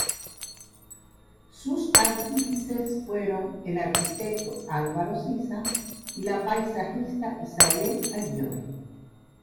Sus artífices fueron el arquitecto Álvaro Siza y la paisajista Isabel Aguirre.